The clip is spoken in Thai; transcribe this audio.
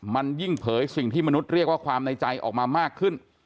มันยิ่งเผยสิ่งที่มนุษย์เรียกว่าความในใจออกมามากขึ้น